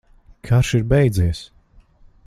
Karš ir beidzies!